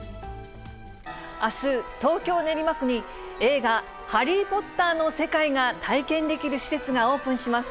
あす、東京・練馬区に、映画、ハリー・ポッターの世界が体験できる施設がオープンします。